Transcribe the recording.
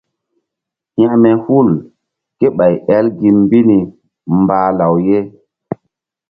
Hekme hul ké ɓay el gi mbi ni mbah law ye.